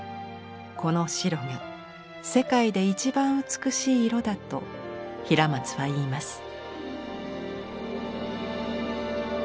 この白が世界で一番美しい色だと平松は言います。